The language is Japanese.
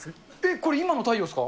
これ、今の太陽ですか？